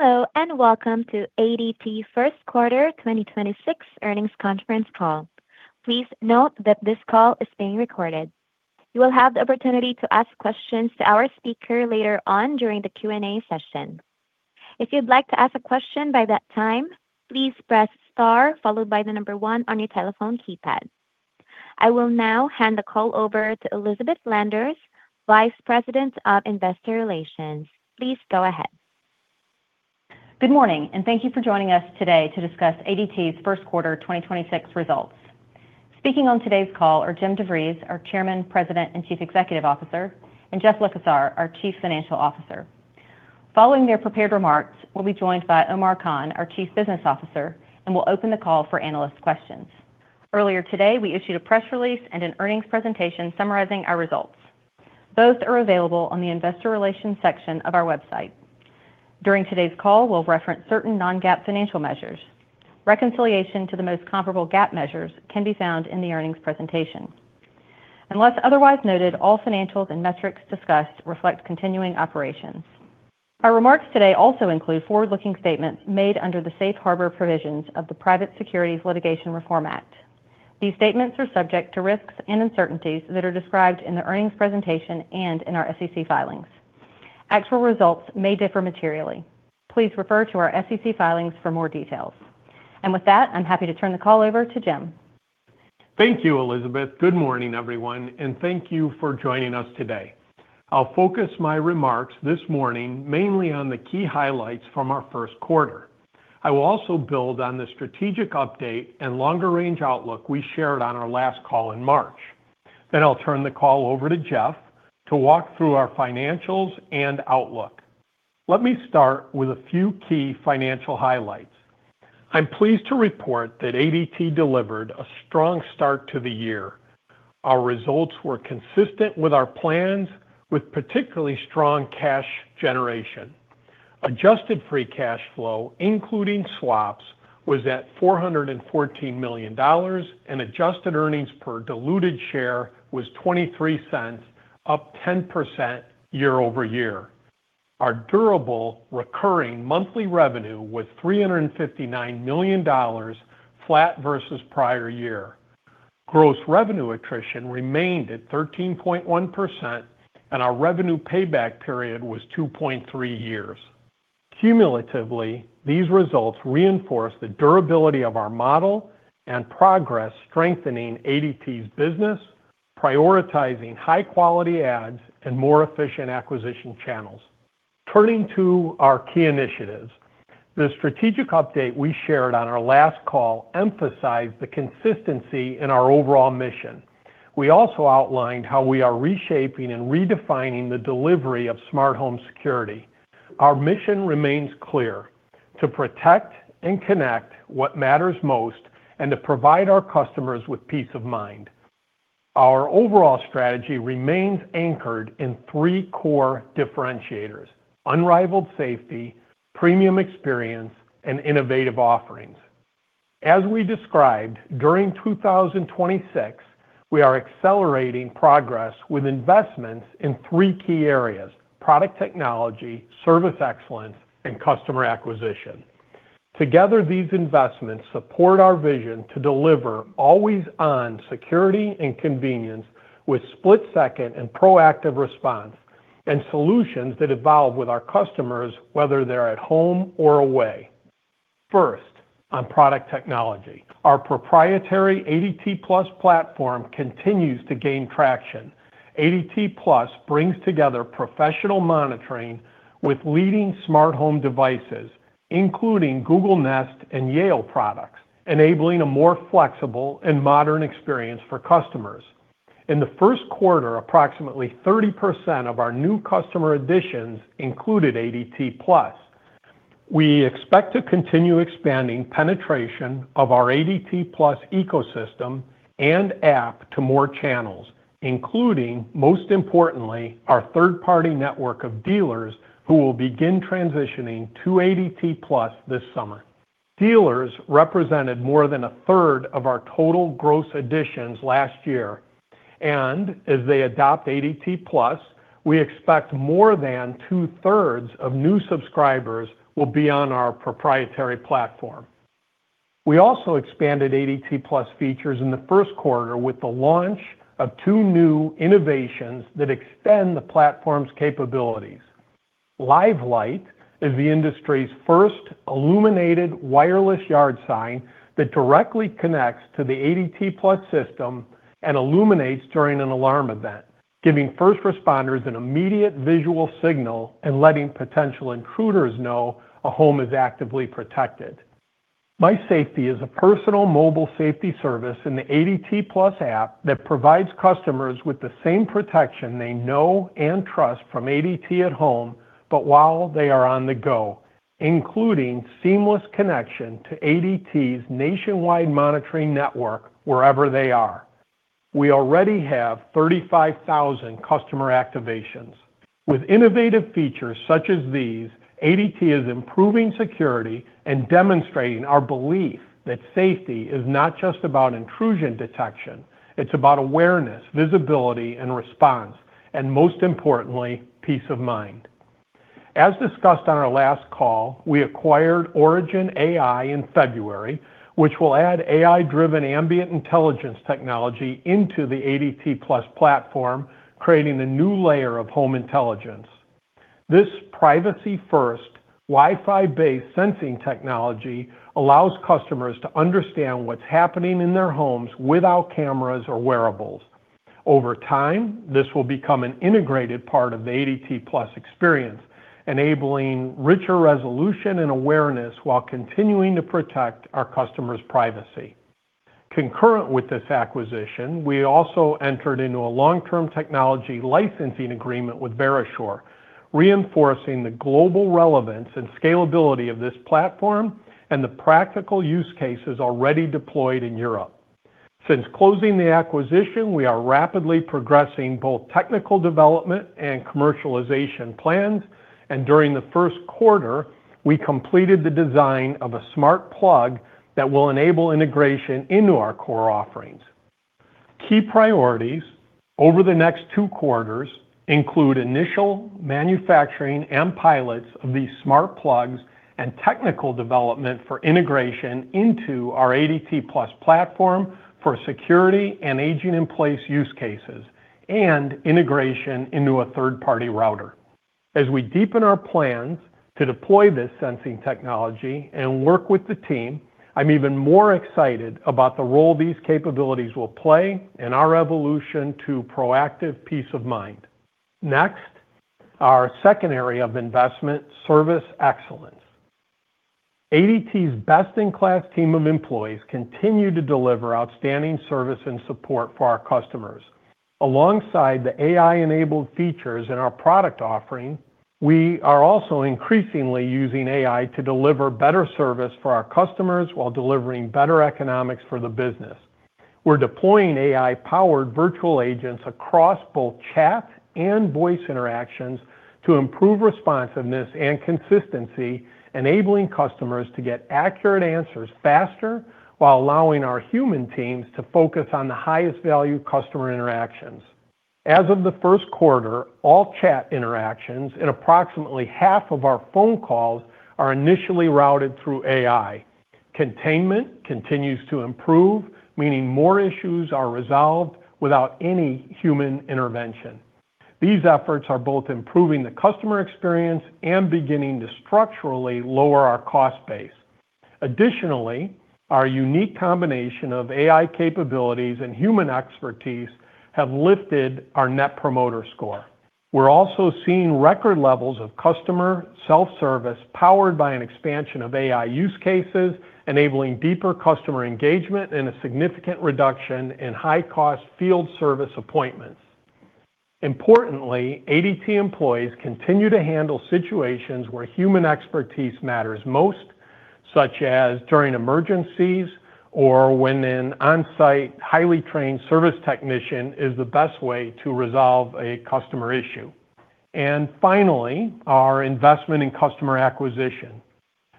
Hello, and welcome to ADT First Quarter 2026 Earnings Conference Call. Please note that this call is being recorded. You will have the opportunity to ask questions to our speakers later on during Q&A session. If you'd like to ask a questions by that time, please press star followed by the number one on your telephone keypad. I will now hand the call over to Elizabeth Landers, Vice President of Investor Relations. Please go ahead. Good morning, and thank you for joining us today to discuss ADT's first quarter 2026 results. Speaking on today's call are Jim DeVries, our Chairman, President, and Chief Executive Officer, and Jeff Likosar, our Chief Financial Officer. Following their prepared remarks, we'll be joined by Omar Khan, our Chief Business Officer, and we'll open the call for analyst questions. Earlier today, we issued a press release and an earnings presentation summarizing our results. Both are available on the investor relations section of our website. During today's call, we'll reference certain non-GAAP financial measures. Reconciliation to the most comparable GAAP measures can be found in the earnings presentation. Unless otherwise noted, all financials and metrics discussed reflect continuing operations. Our remarks today also include forward-looking statements made under the Safe Harbor provisions of the Private Securities Litigation Reform Act. These statements are subject to risks and uncertainties that are described in the earnings presentation and in our SEC filings. Actual results may differ materially. Please refer to our SEC filings for more details. With that, I'm happy to turn the call over to Jim. Thank you, Elizabeth. Good morning, everyone, and thank you for joining us today. I'll focus my remarks this morning mainly on the key highlights from our first quarter. I will also build on the strategic update and longer-range outlook we shared on our last call in March. I'll turn the call over to Jeff to walk through our financials and outlook. Let me start with a few key financial highlights. I'm pleased to report that ADT delivered a strong start to the year. Our results were consistent with our plans with particularly strong cash generation. Adjusted free cash flow, including swaps, was at $414 million, and adjusted earnings per diluted share was $0.23, up 10% year-over-year. Our durable recurring monthly revenue was $359 million, flat versus prior year. Gross revenue attrition remained at 13.1%, and our revenue payback period was 2.3 years. Cumulatively, these results reinforce the durability of our model and progress strengthening ADT's business, prioritizing high-quality ads and more efficient acquisition channels. Turning to our key initiatives, the strategic update we shared on our last call emphasized the consistency in our overall mission. We also outlined how we are reshaping and redefining the delivery of smart home security. Our mission remains clear. To protect and connect what matters most and to provide our customers with peace of mind. Our overall strategy remains anchored in three core differentiators. Unrivaled safety, premium experience, and innovative offerings. As we described, during 2026, we are accelerating progress with investments in three key areas. Product technology, service excellence, and customer acquisition. Together, these investments support our vision to deliver always-on security and convenience with split-second and proactive response and solutions that evolve with our customers, whether they're at home or away. First, on product technology. Our proprietary ADT+ platform continues to gain traction. ADT+ brings together professional monitoring with leading smart home devices, including Google Nest and Yale products, enabling a more flexible and modern experience for customers. In the first quarter, approximately 30% of our new customer additions included ADT+. We expect to continue expanding penetration of our ADT+ ecosystem and app to more channels, including, most importantly, our third-party network of dealers who will begin transitioning to ADT+ this summer. Dealers represented more than a third of our total gross additions last year. As they adopt ADT+, we expect more than two-thirds of new subscribers will be on our proprietary platform. We also expanded ADT+ features in the first quarter with the launch of two new innovations that extend the platform's capabilities. Live Light is the industry's first illuminated wireless yard sign that directly connects to the ADT+ system and illuminates during an alarm event, giving first responders an immediate visual signal and letting potential intruders know a home is actively protected. MySafety is a personal mobile safety service in the ADT+ app that provides customers with the same protection they know and trust from ADT at home, but while they are on the go, including seamless connection to ADT's nationwide monitoring network wherever they are. We already have 35,000 customer activations. With innovative features such as these, ADT is improving security and demonstrating our belief that safety is not just about intrusion detection. It's about awareness, visibility, and response, and most importantly, peace of mind. As discussed on our last call, we acquired Origin AI in February which will add AI-driven ambient intelligence technology into the ADT+ platform, creating a new layer of home intelligence. This privacy first, Wi-Fi based sensing technology allows customers to understand what's happening in their homes without cameras or wearables. Over time, this will become an integrated part of the ADT+ experience enabling richer resolution and awareness while continuing to protect our customers' privacy. Concurrent with this acquisition, we also entered into a long-term technology licensing agreement with Verisure reinforcing the global relevance and scalability of this platform and the practical use cases already deployed in Europe. Since closing the acquisition, we are rapidly progressing both technical development and commercialization plans, and during the first quarter, we completed the design of a smart plug that will enable integration into our core offerings. Key priorities over the next two quarters include initial manufacturing and pilots of these smart plugs and technical development for integration into our ADT+ platform for security and aging in place use cases and integration into a third-party router. As we deepen our plans to deploy this sensing technology and work with the team, I'm even more excited about the role these capabilities will play in our evolution to proactive peace of mind. Next, our second area of investment, service excellence. ADT's best-in-class team of employees continue to deliver outstanding service and support for our customers. Alongside the AI-enabled features in our product offering, we are also increasingly using AI to deliver better service for our customers while delivering better economics for the business. We're deploying AI-powered virtual agents across both chat and voice interactions to improve responsiveness and consistency, enabling customers to get accurate answers faster while allowing our human teams to focus on the highest value customer interactions. As of the first quarter, all chat interactions and approximately half of our phone calls are initially routed through AI. Containment continues to improve, meaning more issues are resolved without any human intervention. These efforts are both improving the customer experience and beginning to structurally lower our cost base. Additionally, our unique combination of AI capabilities and human expertise have lifted our net promoter score. We're also seeing record levels of customer self-service powered by an expansion of AI use cases, enabling deeper customer engagement and a significant reduction in high-cost field service appointments. Importantly, ADT employees continue to handle situations where human expertise matters most, such as during emergencies or when an on-site highly trained service technician is the best way to resolve a customer issue. Finally, our investment in customer acquisition.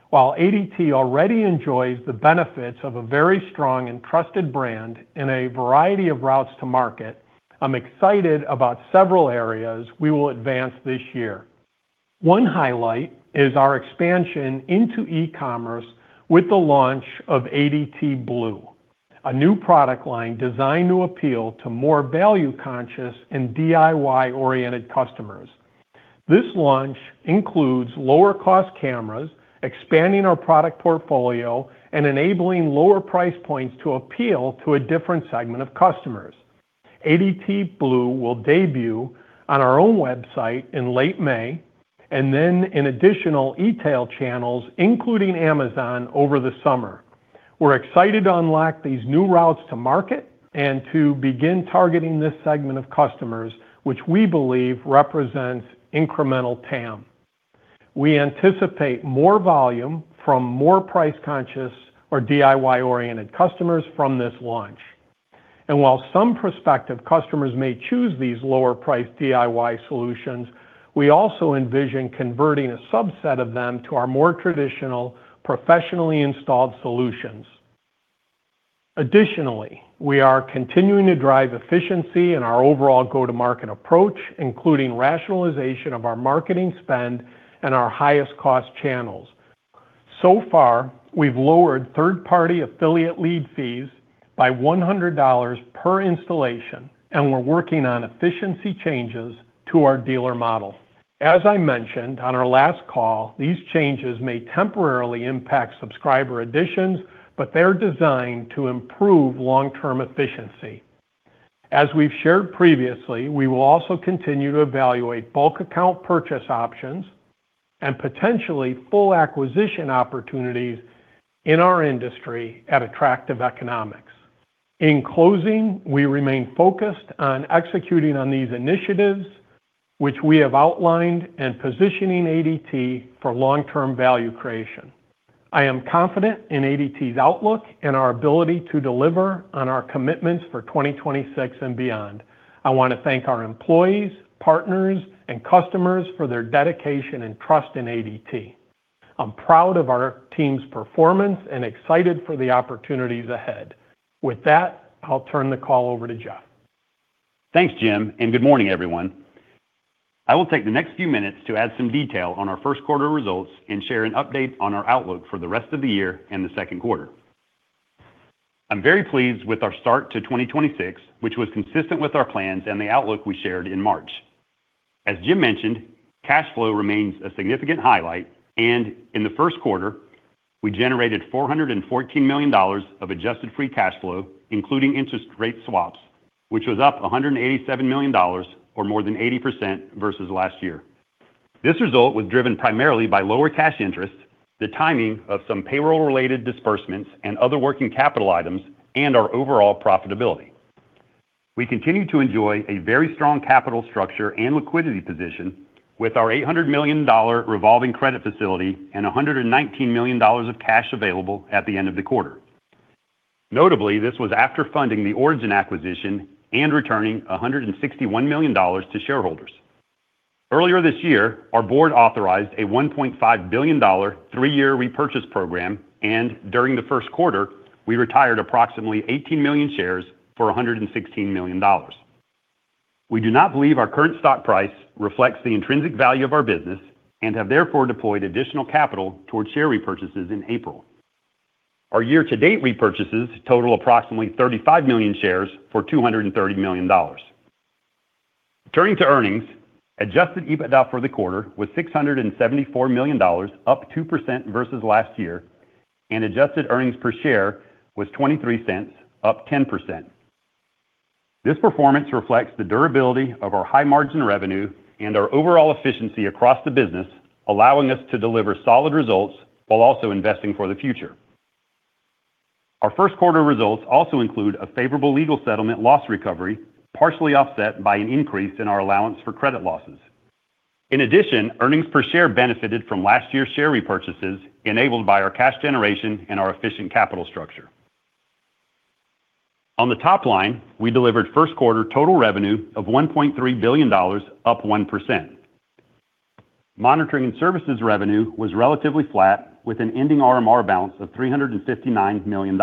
While ADT already enjoys the benefits of a very strong and trusted brand in a variety of routes to market, I'm excited about several areas we will advance this year. One highlight is our expansion into e-commerce with the launch of Blue by ADT, a new product line designed to appeal to more value conscious and DIY-oriented customers. This launch includes lower cost cameras, expanding our product portfolio, and enabling lower price points to appeal to a different segment of customers. ADT Blue will debut on our own website in late May, and then in additional e-tail channels, including Amazon over the summer. We're excited to unlock these new routes to market and to begin targeting this segment of customers, which we believe represents incremental TAM. We anticipate more volume from more price conscious or DIY-oriented customers from this launch. While some prospective customers may choose these lower priced DIY solutions, we also envision converting a subset of them to our more traditional, professionally installed solutions. Additionally, we are continuing to drive efficiency in our overall go-to-market approach, including rationalization of our marketing spend and our highest cost channels. So far, we've lowered third-party affiliate lead fees by $100 per installation, and we're working on efficiency changes to our dealer model. As I mentioned on our last call, these changes may temporarily impact subscriber additions, but they're designed to improve long-term efficiency. As we've shared previously, we will also continue to evaluate bulk account purchase options and potentially full acquisition opportunities in our industry at attractive economics. In closing, we remain focused on executing on these initiatives which we have outlined in positioning ADT for long-term value creation. I am confident in ADT's outlook and our ability to deliver on our commitments for 2026 and beyond. I want to thank our employees, partners, and customers for their dedication and trust in ADT. I'm proud of our team's performance and excited for the opportunities ahead. With that, I'll turn the call over to Jeff. Thanks, Jim, and good morning, everyone. I will take the next few minutes to add some detail on our first quarter results and share an update on our outlook for the rest of the year and the second quarter. I'm very pleased with our start to 2026, which was consistent with our plans and the outlook we shared in March. As Jim mentioned, cash flow remains a significant highlight, and in the first quarter, we generated $414 million of adjusted free cash flow, including interest rate swaps, which was up $187 million or more than 80% versus last year. This result was driven primarily by lower cash interest, the timing of some payroll-related disbursements and other working capital items, and our overall profitability. We continue to enjoy a very strong capital structure and liquidity position with our $800 million revolving credit facility and $119 million of cash available at the end of the quarter. Notably, this was after funding the Origin acquisition and returning $161 million to shareholders. Earlier this year, our board authorized a $1.5 billion three-year repurchase program, and during the first quarter, we retired approximately 18 million shares for $116 million. We do not believe our current stock price reflects the intrinsic value of our business and have therefore deployed additional capital towards share repurchases in April. Our year-to-date repurchases total approximately 35 million shares for $230 million. Turning to earnings, adjusted EBITDA for the quarter was $674 million, up 2% versus last year, and adjusted earnings per share was $0.23, up 10%. This performance reflects the durability of our high-margin revenue and our overall efficiency across the business, allowing us to deliver solid results while also investing for the future. Our first quarter results also include a favorable legal settlement loss recovery, partially offset by an increase in our allowance for credit losses. In addition, earnings per share benefited from last year's share repurchases enabled by our cash generation and our efficient capital structure. On the top line, we delivered first quarter total revenue of $1.3 billion, up 1%. Monitoring and services revenue was relatively flat with an ending RMR balance of $359 million.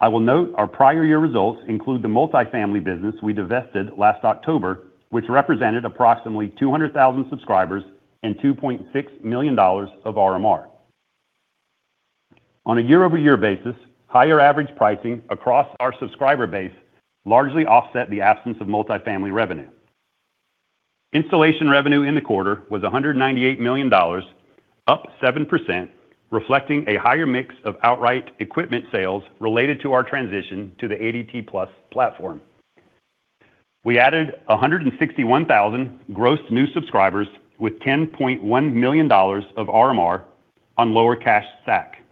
I will note our prior year results include the multifamily business we divested last October, which represented approximately 200,000 subscribers and $2.6 million of RMR. On a year-over-year basis, higher average pricing across our subscriber base largely offset the absence of multifamily revenue. Installation revenue in the quarter was $198 million, up 7%, reflecting a higher mix of outright equipment sales related to our transition to the ADT+ platform. We added 161,000 gross new subscribers with $10.1 million of RMR on lower cash SAC.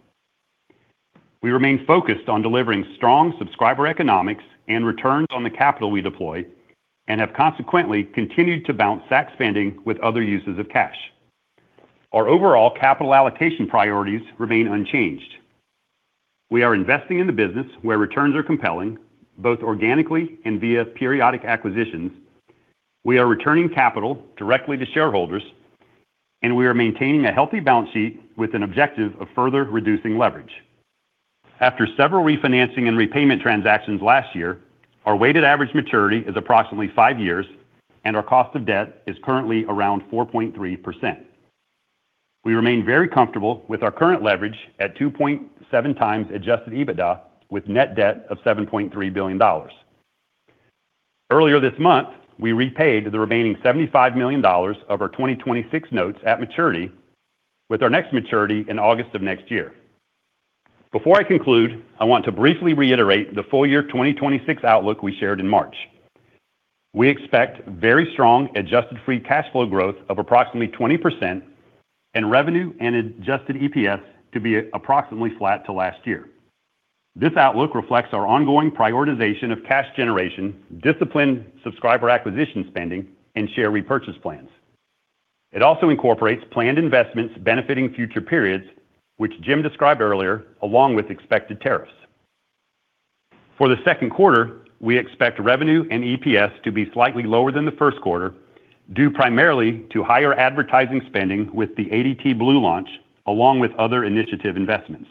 We remain focused on delivering strong subscriber economics and returns on the capital we deploy and have consequently continued to balance SAC spending with other uses of cash. Our overall capital allocation priorities remain unchanged. We are investing in the business where returns are compelling, both organically and via periodic acquisitions. We are returning capital directly to shareholders. We are maintaining a healthy balance sheet with an objective of further reducing leverage. After several refinancing and repayment transactions last year, our weighted average maturity is approximately five years, and our cost of debt is currently around 4.3%. We remain very comfortable with our current leverage at 2.7x adjusted EBITDA with net debt of $7.3 billion. Earlier this month, we repaid the remaining $75 million of our 2026 notes at maturity with our next maturity in August of next year. Before I conclude, I want to briefly reiterate the full year 2026 outlook we shared in March. We expect very strong adjusted free cash flow growth of approximately 20% and revenue and adjusted EPS to be approximately flat to last year. This outlook reflects our ongoing prioritization of cash generation, disciplined subscriber acquisition spending, and share repurchase plans. It also incorporates planned investments benefiting future periods, which Jim described earlier, along with expected tariffs. For the second quarter, we expect revenue and EPS to be slightly lower than the first quarter, due primarily to higher advertising spending with the ADT Blue launch along with other initiative investments.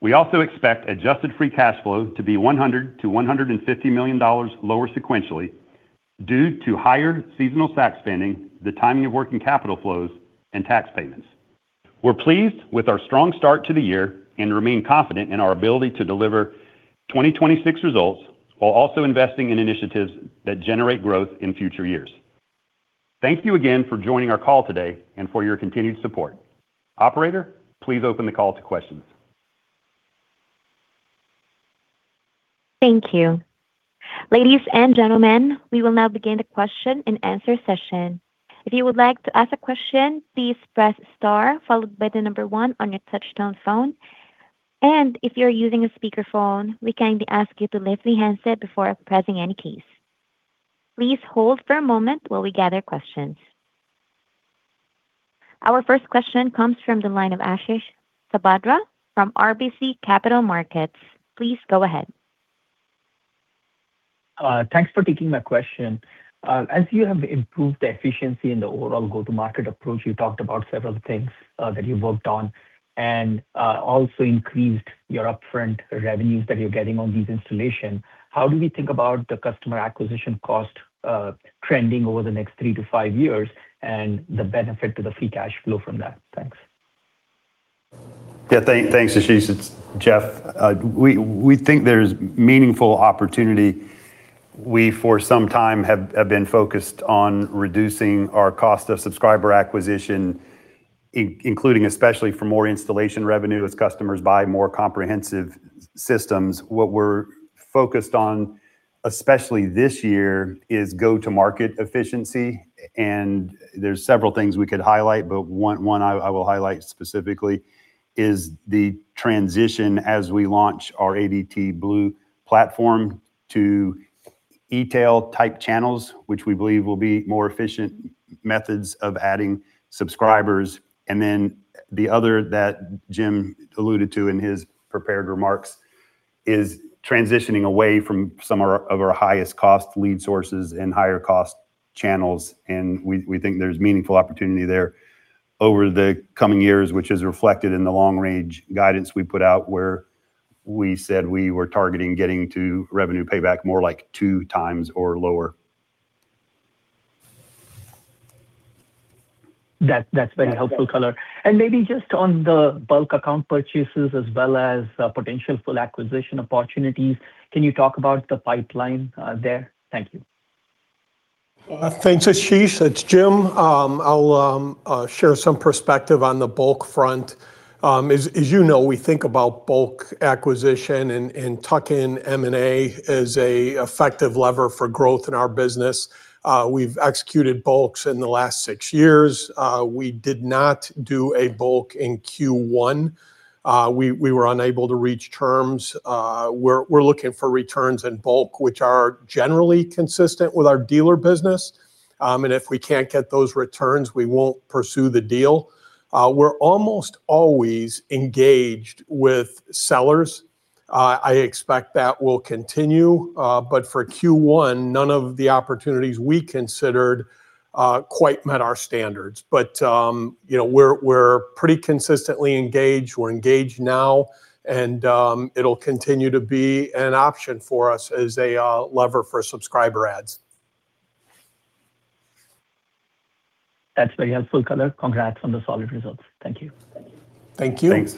We also expect adjusted free cash flow to be $100 million-$150 million lower sequentially due to higher seasonal SAC spending, the timing of working capital flows, and tax payments. We're pleased with our strong start to the year and remain confident in our ability to deliver 2026 results while also investing in initiatives that generate growth in future years. Thank you again for joining our call today and for your continued support. Operator, please open the call to questions. Thank you. Ladies and gentlemen, we will now begin the question and answer session. If you would like to ask a question, please press star followed by the number one on your touchtone phone. If you're using a speakerphone, we kindly ask you to lift the handset before pressing any keys. Please hold for a moment while we gather questions. Our first question comes from the line of Ashish Sabadra from RBC Capital Markets. Please go ahead. Thanks for taking my question. As you have improved the efficiency and the overall go-to-market approach, you talked about several things that you've worked on, and also increased your upfront revenues that you're getting on these installation. How do we think about the customer acquisition cost trending over the next three to five years, and the benefit to the free cash flow from that? Thanks. Yeah, thanks Ashish. It's Jeff. We think there's meaningful opportunity. We, for some time, have been focused on reducing our cost of subscriber acquisition including, especially for more installation revenue as customers buy more comprehensive systems. What we're focused on, especially this year, is go-to-market efficiency. There's several things we could highlight, but one I will highlight specifically is the transition as we launch our ADT Blue platform to e-tail type channels, which we believe will be more efficient methods of adding subscribers. Then the other that Jim alluded to in his prepared remarks is transitioning away from of our highest cost lead sources and higher cost channels, and we think there's meaningful opportunity there over the coming years, which is reflected in the long range guidance we put out, where we said we were targeting getting to revenue payback more like 2x or lower. That's very helpful color. Maybe just on the bulk account purchases as well as potential full acquisition opportunities, can you talk about the pipeline there? Thank you. Thanks Ashish. It's Jim. I'll share some perspective on the bulk front. As you know, we think about bulk acquisition and tuck-in M&A as a effective lever for growth in our business. We've executed bulks in the last six years. We did not do a bulk in Q1. We were unable to reach terms. We're looking for returns in bulk which are generally consistent with our dealer business, and if we can't get those returns, we won't pursue the deal. We're almost always engaged with sellers. I expect that will continue, but for Q1, none of the opportunities we considered quite met our standards. You know, we're pretty consistently engaged. We're engaged now, and it'll continue to be an option for us as a lever for subscriber adds. That's very helpful color. Congrats on the solid results. Thank you. Thank you. Thanks.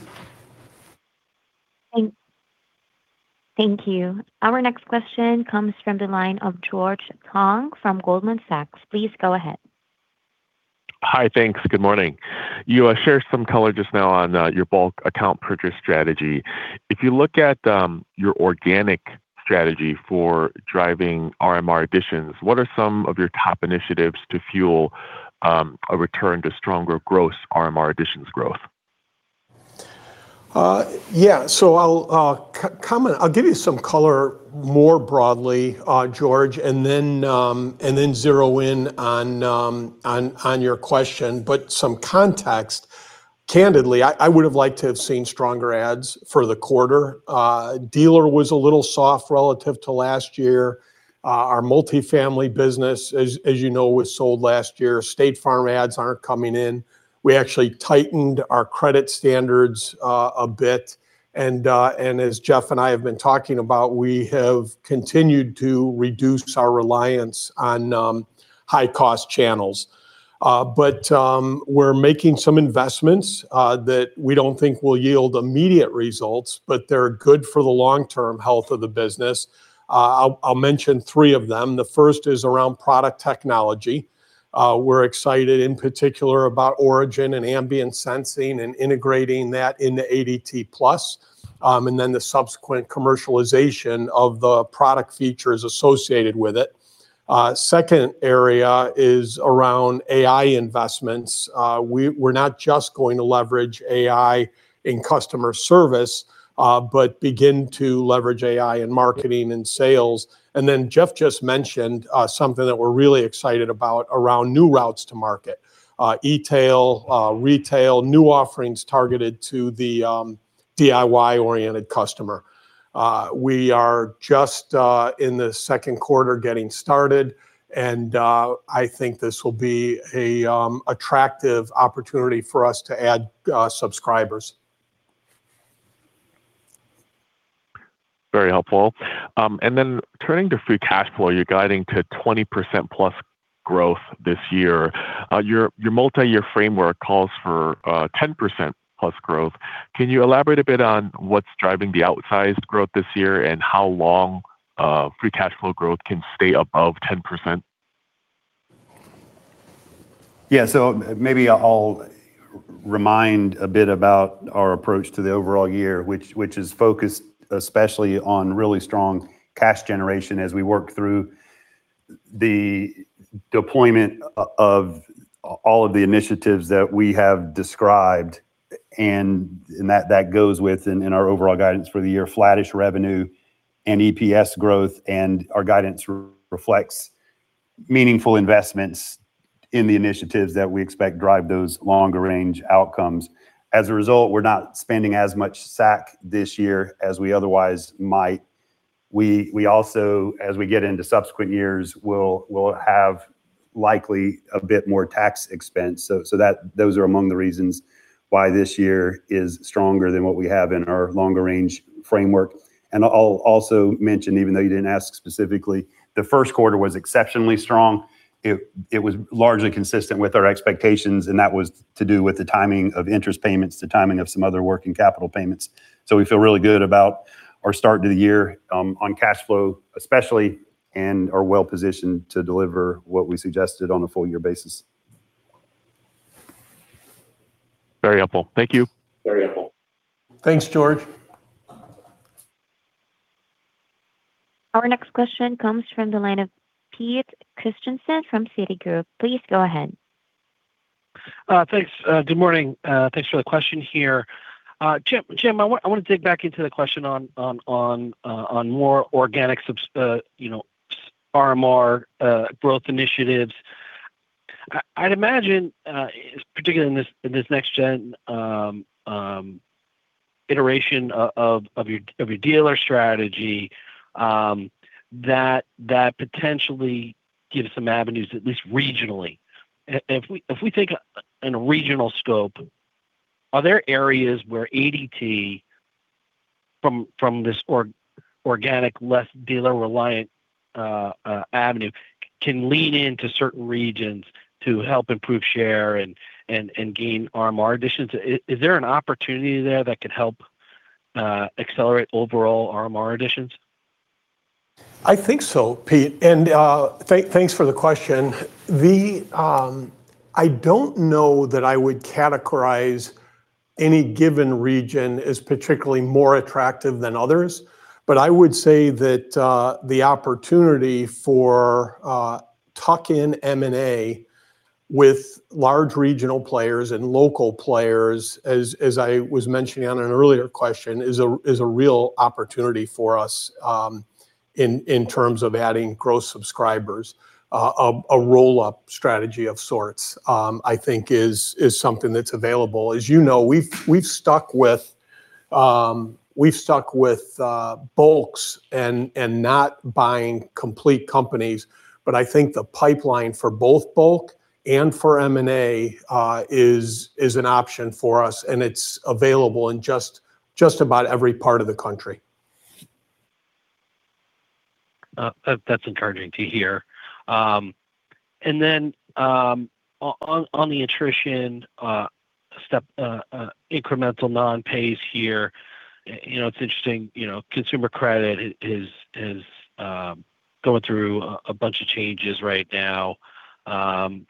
Thanks. Thank you. Our next question comes from the line of George Tong from Goldman Sachs. Please go ahead. Hi, thanks. Good morning. You shared some color just now on your bulk account purchase strategy. If you look at your organic strategy for driving RMR additions, what are some of your top initiatives to fuel a return to stronger gross RMR additions growth? I'll give you some color more broadly, George, and then zero in on your question, but some context. Candidly, I would've liked to have seen stronger adds for the quarter. Dealer was a little soft relative to last year. Our multifamily business as you know, was sold last year. State Farm adds aren't coming in. We actually tightened our credit standards a bit and as Jeff and I have been talking about, we have continued to reduce our reliance on high-cost channels. We're making some investments that we don't think will yield immediate results, but they're good for the long-term health of the business. I'll mention three of them. The first is around product technology. We're excited in particular about Origin and ambient sensing and integrating that into ADT+, and then the subsequent commercialization of the product features associated with it. Second area is around AI investments. We're not just going to leverage AI in customer service, but begin to leverage AI in marketing and sales. Jeff just mentioned something that we're really excited about around new routes to market. E-tail, retail, new offerings targeted to the DIY-oriented customer. We are just in the second quarter getting started, I think this will be an attractive opportunity for us to add subscribers. Very helpful. Turning to free cash flow, you're guiding to +20% growth this year. Your multi-year framework calls for +10% growth. Can you elaborate a bit on what's driving the outsized growth this year, and how long free cash flow growth can stay above 10%? Yeah, maybe I'll remind a bit about our approach to the overall year, which is focused especially on really strong cash generation as we work through the deployment of all of the initiatives that we have described. That goes with in our overall guidance for the year, flattish revenue and EPS growth. Our guidance reflects meaningful investments in the initiatives that we expect drive those longer-range outcomes. As a result, we're not spending as much SAC this year as we otherwise might. We also, as we get into subsequent years, we'll have likely a bit more tax expense. Those are among the reasons why this year is stronger than what we have in our longer-range framework. I'll also mention, even though you didn't ask specifically, the first quarter was exceptionally strong. It was largely consistent with our expectations. That was to do with the timing of interest payments, the timing of some other working capital payments. We feel really good about our start to the year on cash flow especially, and are well-positioned to deliver what we suggested on a full year basis. Very helpful. Thank you. Very helpful. Thanks, George. Our next question comes from the line of Pete Christiansen from Citigroup. Please go ahead. Thanks. Good morning. Thanks for the question here. Jim, I want to dig back into the question on more organic subs, you know, RMR growth initiatives. I'd imagine, particularly in this next gen iteration of your dealer strategy, that potentially gives some avenues, at least regionally. If we take a regional scope, are there areas where ADT from this organic, less dealer reliant avenue can lean into certain regions to help improve share and gain RMR additions? Is there an opportunity there that could help accelerate overall RMR additions? I think so, Pete, thanks for the question. The, I don't know that I would categorize any given region as particularly more attractive than others, but I would say that the opportunity for tuck-in M&A with large regional players and local players, as I was mentioning on an earlier question, is a real opportunity for us in terms of adding gross subscribers. A roll-up strategy of sorts, I think is something that's available. As you know, we've stuck with bulks and not buying complete companies, but I think the pipeline for both bulk and for M&A is an option for us, and it's available in just about every part of the country. That's encouraging to hear. Then, on the attrition step, incremental non-pays here, you know, it's interesting. You know, consumer credit is going through a bunch of changes right now.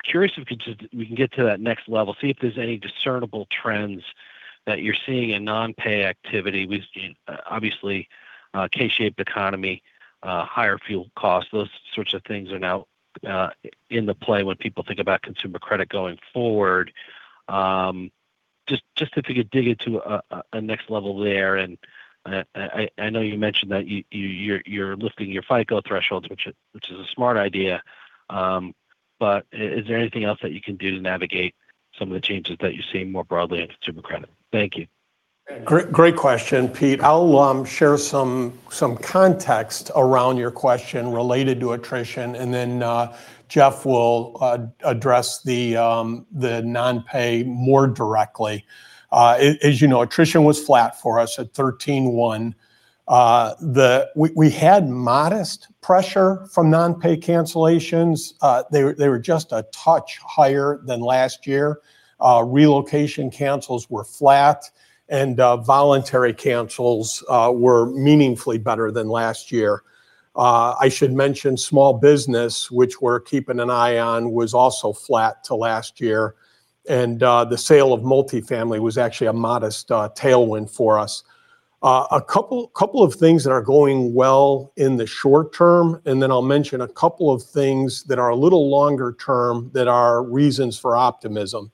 Curious if we can get to that next level, see if there's any discernible trends that you're seeing in non-pay activity. We've seen obviously a K-shaped economy, higher fuel costs. Those sorts of things are now in the play when people think about consumer credit going forward. Just if we could dig into a next level there, I know you mentioned that you're lifting your FICO thresholds, which is a smart idea. Is there anything else that you can do to navigate some of the changes that you're seeing more broadly in consumer credit? Thank you. Great, great question, Pete. I'll share some context around your question related to attrition and then Jeff will address the non-pay more directly. As you know, attrition was flat for us at 13.1. We had modest pressure from non-pay cancellations. They were just a touch higher than last year. Relocation cancels were flat and voluntary cancels were meaningfully better than last year. I should mention small business, which we're keeping an eye on, was also flat to last year and the sale of multifamily was actually a modest tailwind for us. A couple of things that are going well in the short term, and then I'll mention a couple of things that are a little longer term that are reasons for optimism.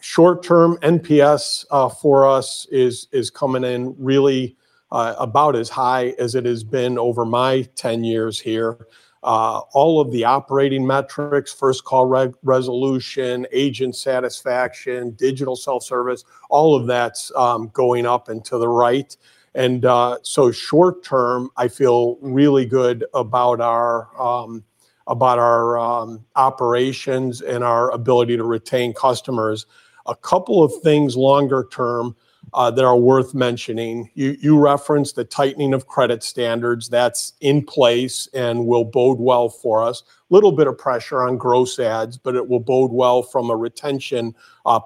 Short term, NPS for us is coming in really about as high as it has been over my 10 years here. All of the operating metrics, first call re-resolution, agent satisfaction, digital self-service, all of that's going up and to the right. Short term, I feel really good about our about our operations and our ability to retain customers. A couple of things longer term that are worth mentioning. You referenced the tightening of credit standards. That's in place and will bode well for us. Little bit of pressure on gross adds, it will bode well from a retention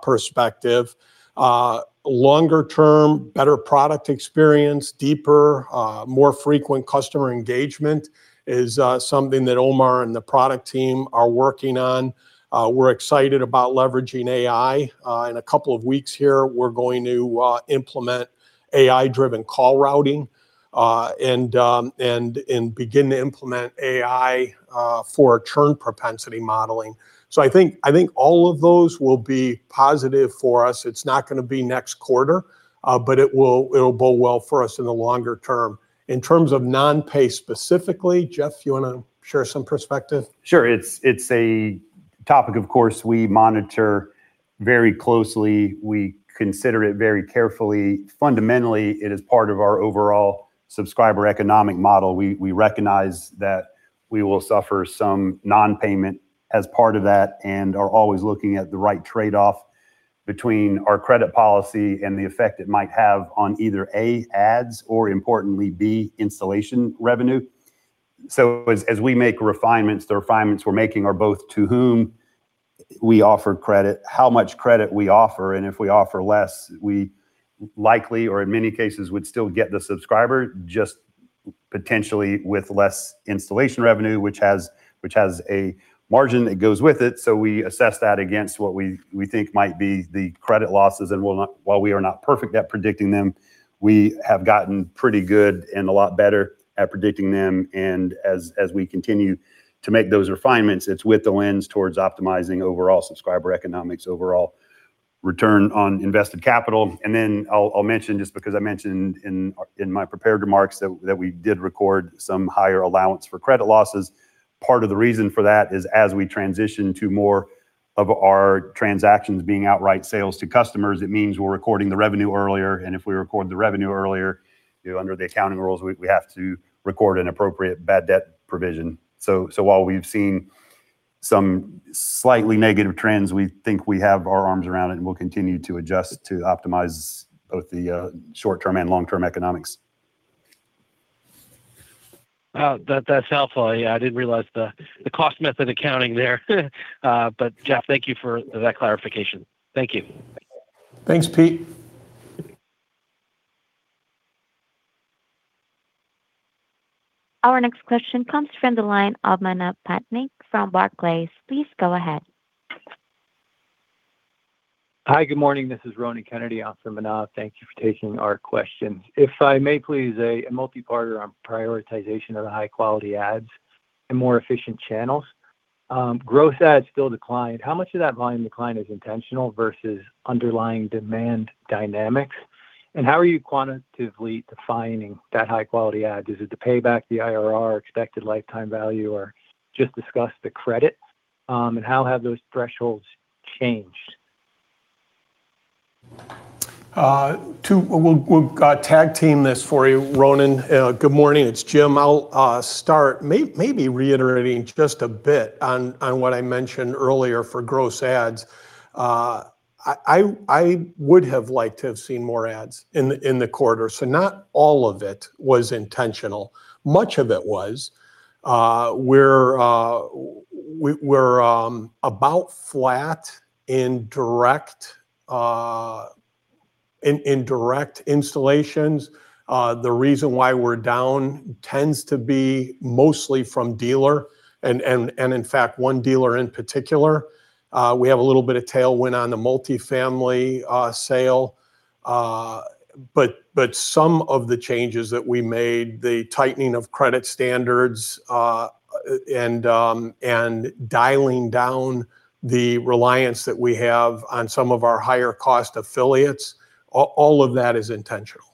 perspective. Longer term, better product experience, deeper, more frequent customer engagement is something that Omar and the product team are working on. We're excited about leveraging AI. In a couple of weeks here, we're going to implement AI-driven call routing, and begin to implement AI for churn propensity modeling. I think all of those will be positive for us. It's not gonna be next quarter, but it will, it'll bode well for us in the longer term. In terms of non-pay specifically, Jeff, you wanna share some perspective? Sure. It's a topic. Of course we monitor very closely, we consider it very carefully. Fundamentally, it is part of our overall subscriber economic model. We recognize that we will suffer some non-payment as part of that and are always looking at the right trade-off between our credit policy and the effect it might have on either, A, ads or importantly, B, installation revenue. As we make refinements, the refinements we're making are both to whom we offer credit, how much credit we offer, and if we offer less, we likely or in many cases would still get the subscriber just potentially with less installation revenue, which has a margin that goes with it. We assess that against what we think might be the credit losses. While we are not perfect at predicting them, we have gotten pretty good and a lot better at predicting them. As we continue to make those refinements, it's with the lens towards optimizing overall subscriber economics, overall return on invested capital. I'll mention just because I mentioned in my prepared remarks that we did record some higher allowance for credit losses. Part of the reason for that is as we transition to more of our transactions being outright sales to customers, it means we're recording the revenue earlier, and if we record the revenue earlier, you know, under the accounting rules, we have to record an appropriate bad debt provision. While we've seen some slightly negative trends, we think we have our arms around it and we'll continue to adjust to optimize both the short-term and long-term economics. That's helpful. Yeah, I didn't realize the cost method accounting there. Jeff, thank you for that clarification. Thank you. Thanks, Pete. Our next question comes from the line of Manav Patnaik from Barclays. Please go ahead. Hi, good morning. This is Ronan Kennedy on for Manav. Thank you for taking our questions. If I may please a multi-quarter on prioritization of the high quality ads and more efficient channels. Gross ads still declined. How much of that volume decline is intentional versus underlying demand dynamics? How are you quantitatively defining that high quality ad? Is it the payback, the IRR expected lifetime value, or just discuss the credit, and how have those thresholds changed? We'll tag team this for you, Ronan. Good morning, it's Jim. I'll start maybe reiterating just a bit on what I mentioned earlier for gross ads. I would have liked to have seen more ads in the quarter, not all of it was intentional. Much of it was. We're about flat in direct, in direct installations. The reason why we're down tends to be mostly from dealer and, in fact, one dealer in particular. We have a little bit of tailwind on the multifamily sale. But some of the changes that we made, the tightening of credit standards, and dialing down the reliance that we have on some of our higher cost affiliates, all of that is intentional.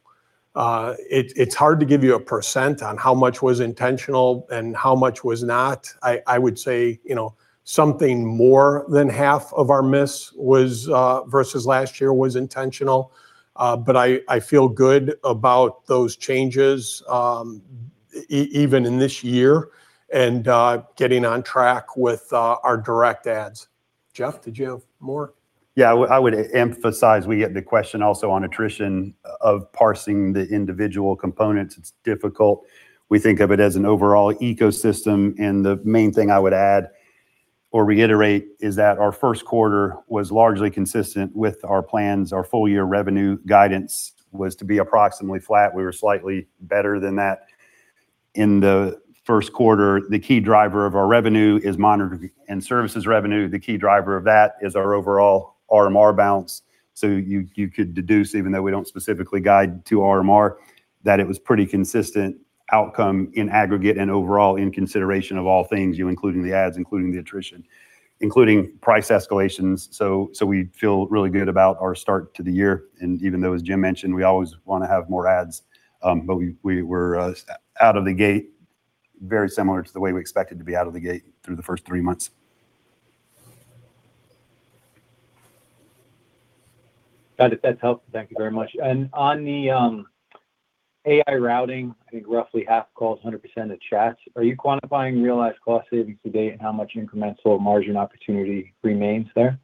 It, it's hard to give you a percent on how much was intentional and how much was not. I would say, you know, something more than half of our miss was versus last year was intentional. I feel good about those changes, even in this year and getting on track with our direct ads. Jeff, did you have more? Yeah, I would emphasize, we get the question also on attrition of parsing the individual components. It's difficult. We think of it as an overall ecosystem, and the main thing I would add or reiterate is that our 1st quarter was largely consistent with our plans. Our full year revenue guidance was to be approximately flat. We were slightly better than that in the first quarter. The key driver of our revenue is monitor and services revenue. The key driver of that is our overall RMR balance. You, you could deduce, even though we don't specifically guide to RMR, that it was pretty consistent outcome in aggregate and overall in consideration of all things, you including the ads, including the attrition, including price escalations. We feel really good about our start to the year and even though, as Jim mentioned, we always wanna have more ads, but we were out of the gate very similar to the way we expected to be out of the gate through the first three months. Got it. That's helpful. Thank you very much. On the AI routing, I think roughly half calls, 100% of chats, are you quantifying realized cost savings to date and how much incremental margin opportunity remains there?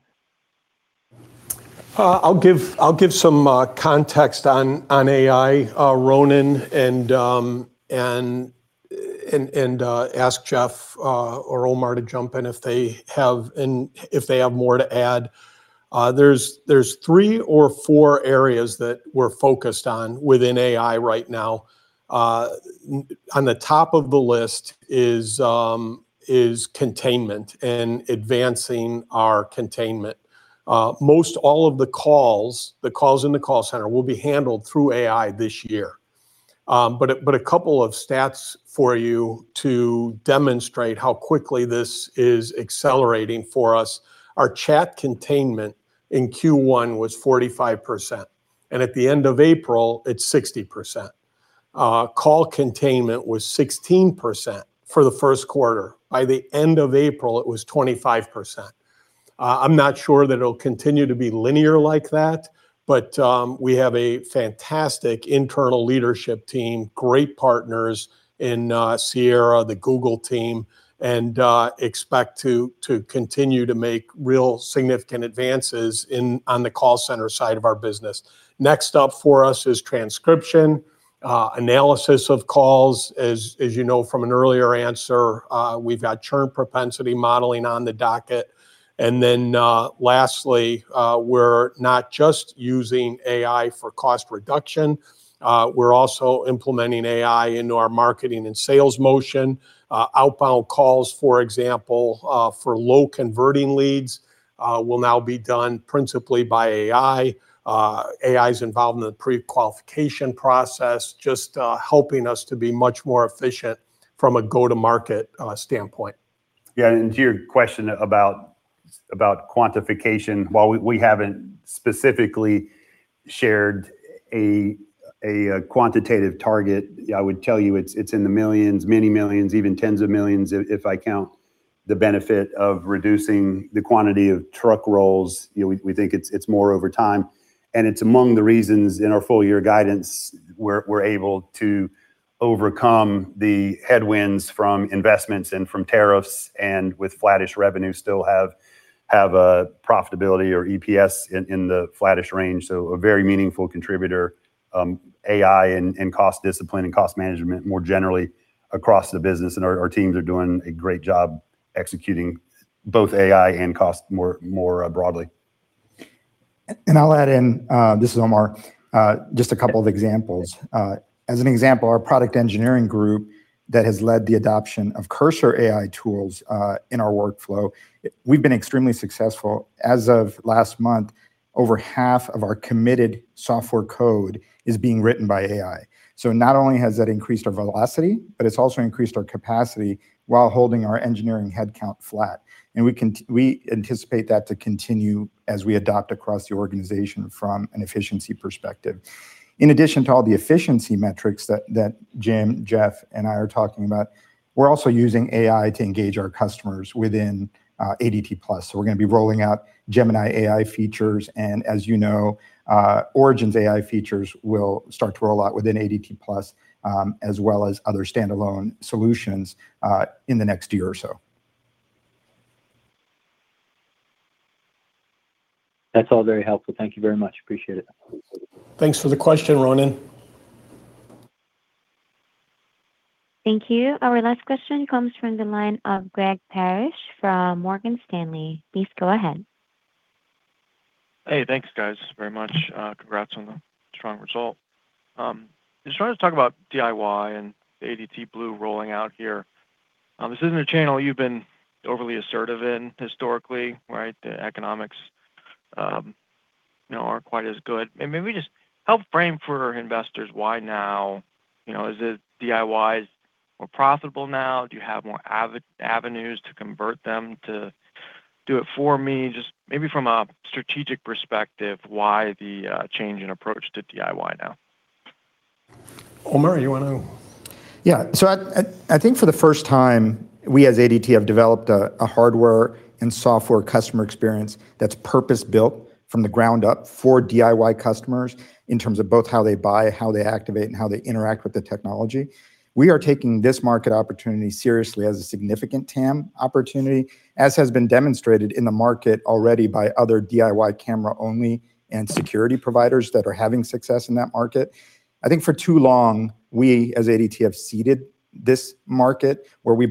I'll give some context on AI, Ronan, and ask Jeff or Omar to jump in if they have more to add. There's three or four areas that we're focused on within AI right now. On the top of the list is containment and advancing our containment. Most all of the calls in the call center will be handled through AI this year. A couple of stats for you to demonstrate how quickly this is accelerating for us. Our chat containment in Q1 was 45%, at the end of April it's 60%. Call containment was 16% for the first quarter. By the end of April, it was 25%. I'm not sure that it'll continue to be linear like that, but we have a fantastic internal leadership team, great partners in Sierra, the Google team, and expect to continue to make real significant advances in, on the call center side of our business. Next up for us is transcription, analysis of calls. As you know from an earlier answer, we've got churn propensity modeling on the docket. Lastly, we're not just using AI for cost reduction, we're also implementing AI into our marketing and sales motion. Outbound calls, for example, for low converting leads, will now be done principally by AI. AI's involved in the pre-qualification process, just helping us to be much more efficient from a go-to-market standpoint. Yeah. To your question about quantification, while we haven't specifically shared a quantitative target, I would tell you it's in the millions, many millions, even tens of millions if I count the benefit of reducing the quantity of truck rolls. You know, we think it's more over time, and it's among the reasons in our full year guidance we're able to overcome the headwinds from investments and from tariffs, and with flattish revenue still have a profitability or EPS in the flattish range. A very meaningful contributor, AI and cost discipline and cost management more generally across the business, and our teams are doing a great job executing both AI and cost more broadly. I'll add in, this is Omar, just a couple of examples. As an example, our product engineering group that has led the adoption of Cursor AI tools in our workflow, we've been extremely successful. As of last month, over half of our committed software code is being written by AI. Not only has that increased our velocity, but it's also increased our capacity while holding our engineering headcount flat, and we anticipate that to continue as we adopt across the organization from an efficiency perspective. In addition to all the efficiency metrics that Jim, Jeff, and I are talking about, we're also using AI to engage our customers within ADT+. We're gonna be rolling out Gemini AI features, and as you know, Origin's AI features will start to roll out within ADT+, as well as other standalone solutions, in the next year or so. That's all very helpful. Thank you very much. Appreciate it. Thanks for the question, Ronan. Thank you. Our last question comes from the line of Greg Parrish from Morgan Stanley. Please go ahead. Hey, thanks, guys, very much. Congrats on the strong result. Just wanted to talk about DIY and Blue by ADT rolling out here. This isn't a channel you've been overly assertive in historically, right? The economics, you know, aren't quite as good. Maybe just help frame for investors why now. You know, is it DIY's more profitable now? Do you have more avenues to convert them to do it for me? Just maybe from a strategic perspective, why the change in approach to DIY now? Omar, you wanna? Yeah. I think for the first time, we as ADT have developed a hardware and software customer experience that's purpose-built from the ground up for DIY customers in terms of both how they buy, how they activate, and how they interact with the technology. We are taking this market opportunity seriously as a significant TAM opportunity, as has been demonstrated in the market already by other DIY camera only and security providers that are having success in that market. I think for too long, we as ADT have seeded this market where we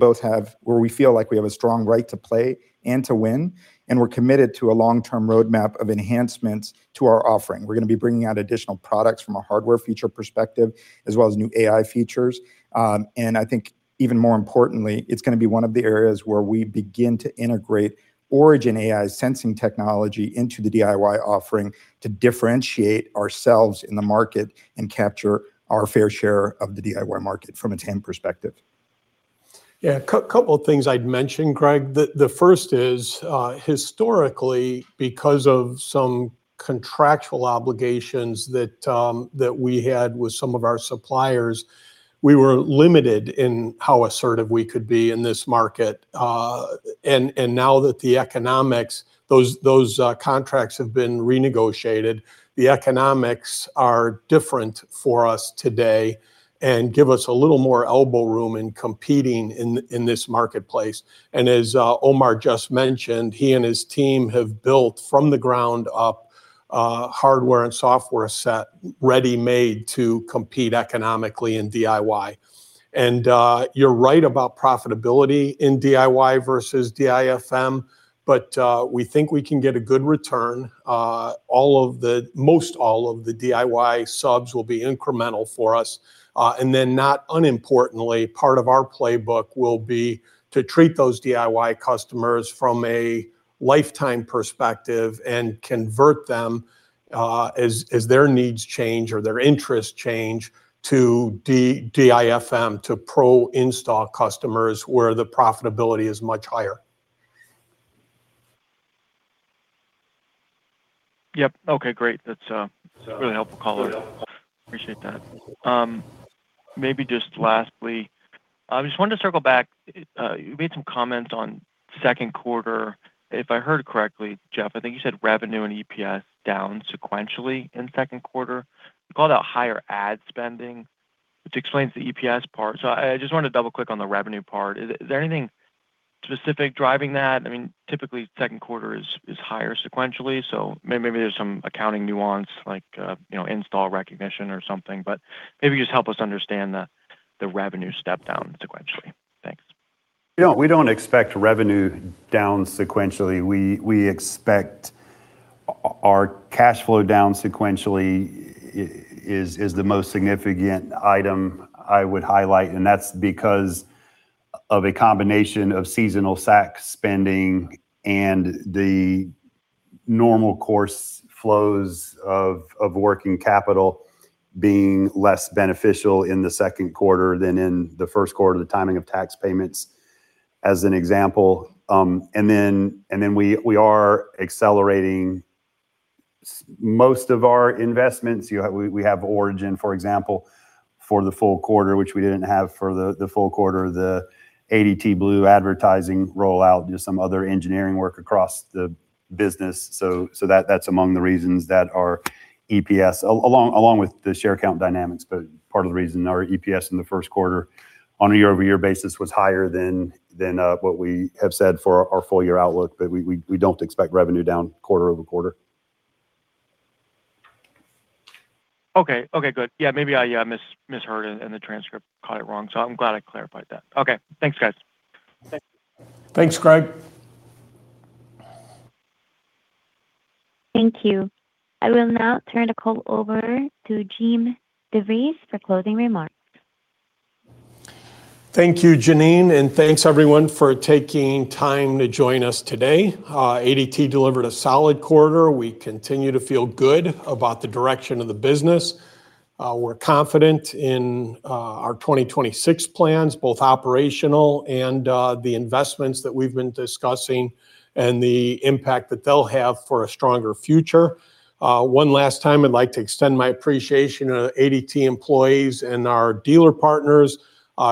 feel like we have a strong right to play and to win, and we're committed to a long-term roadmap of enhancements to our offering. We're gonna be bringing out additional products from a hardware feature perspective, as well as new AI features. I think even more importantly, it's gonna be one of the areas where we begin to integrate Origin AI's sensing technology into the DIY offering to differentiate ourselves in the market and capture our fair share of the DIY market from a TAM perspective. Yeah. Couple things I'd mention, Greg. The first is, historically, because of some contractual obligations that we had with some of our suppliers, we were limited in how assertive we could be in this market. Now that the economics, those contracts have been renegotiated, the economics are different for us today and give us a little more elbow room in competing in this marketplace. As Omar just mentioned, he and his team have built from the ground up, hardware and software set ready-made to compete economically in DIY. You're right about profitability in DIY versus DIFM, but we think we can get a good return. Most all of the DIY subs will be incremental for us. Not unimportantly, part of our playbook will be to treat those DIY customers from a lifetime perspective and convert them, as their needs change or their interests change to DIFM, to pro install customers where the profitability is much higher. Yep. Okay, great. That's a really helpful call. Appreciate that. Maybe just lastly, I just wanted to circle back. You made some comments on second quarter. If I heard correctly, Jeff, I think you said revenue and EPS down sequentially in second quarter. You called out higher ad spending, which explains the EPS part. I just wanted to double-click on the revenue part. Is there anything specific driving that? I mean, typically 2nd quarter is higher sequentially, maybe there's some accounting nuance like, you know, install recognition or something. Maybe just help us understand the revenue step down sequentially. Thanks. You know, we don't expect revenue down sequentially. We expect our cash flow down sequentially is the most significant item I would highlight, and that's because of a combination of seasonal SAC spending and the normal course flows of working capital being less beneficial in the second quarter than in the first quarter, the timing of tax payments, as an example. We are accelerating most of our investments. You know, we have Origin, for example, for the full quarter, which we didn't have for the full quarter. The ADT Blue advertising rollout, you know, some other engineering work across the business. That's among the reasons that our EPS. Along with the share count dynamics, part of the reason our EPS in the first quarter on a year-over-year basis was higher than what we have said for our full-year outlook. We don't expect revenue down quarter-over-quarter. Okay. Okay, good. Yeah. Maybe I misheard and the transcript caught it wrong. I'm glad I clarified that. Okay, thanks guys. Thanks, Greg. Thank you. I will now turn the call over to Jim DeVries for closing remarks. Thank you, Janine, thanks everyone for taking time to join us today. ADT delivered a solid quarter. We continue to feel good about the direction of the business. We're confident in our 2026 plans, both operational and the investments that we've been discussing and the impact that they'll have for a stronger future. One last time, I'd like to extend my appreciation to ADT employees and our dealer partners.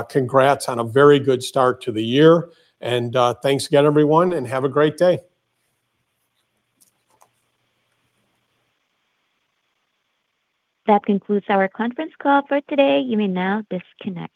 Congrats on a very good start to the year. Thanks again everyone, and have a great day. That concludes our conference call for today. You may now disconnect.